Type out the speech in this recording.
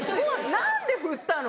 何でふったの？